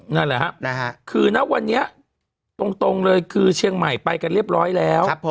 นั่นแหละครับคือณวันนี้ตรงเลยคือเชียงใหม่ไปกันเรียบร้อยแล้ว